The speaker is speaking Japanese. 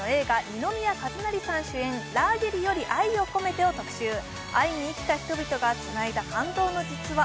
二宮和也さん主演「ラーゲリより愛を込めて」を特集愛に生きた人々がつないだ感動の実話